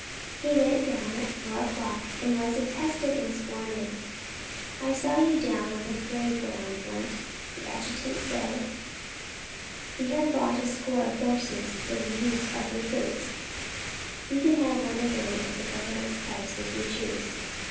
He went down at four o'clock, and was attested and sworn in. "I saw you down on the parade ground, Blunt," the adjutant said. "We have bought a score of horses for the use of recruits. You can have one of them at the Government price if you choose."